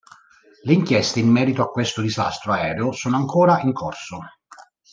Le inchieste in merito a questo disastro aereo sono ancora in corso.